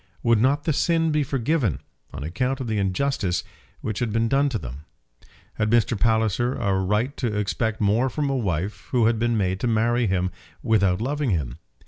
Would not the sin be forgiven on account of the injustice which had been done to them? Had Mr. Palliser a right to expect more from a wife who had been made to marry him without loving him?